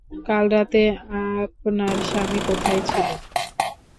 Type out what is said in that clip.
কাল রাতে, আপনার স্বামী কোথায় ছিলো?